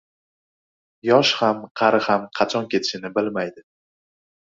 • Yosh ham, qari ham qachon ketishini bilmaydi.